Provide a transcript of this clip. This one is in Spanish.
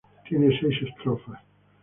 Tiene seis estrofas.